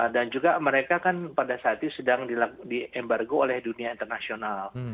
dan juga mereka kan pada saat itu sedang diembargo oleh dunia internasional